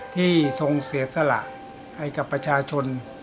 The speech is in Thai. ทรงเสียสละให้กับประชาชน